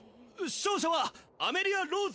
勝者はアメリア＝ローズ！